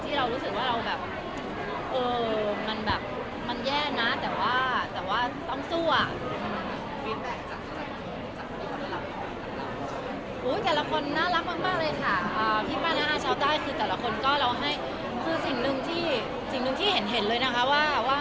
ที่เรารู้สึกว่า